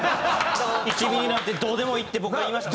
１ミリなんてどうでもいいって僕が言いました。